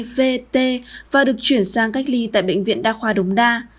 v t và được chuyển sang cách ly tại bệnh viện đa khoa đồng đa